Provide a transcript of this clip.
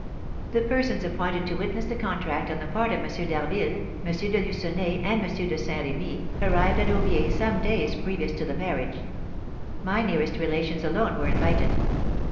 The persons appointed to witness the contract on the part of M. d'Harville, M. de Lucenay and M. de Saint Rémy, arrived at Aubiers some days previous to the marriage; my nearest relations alone were invited.